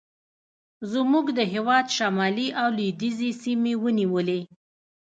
زموږ د هېواد شمالي او لوېدیځې سیمې ونیولې.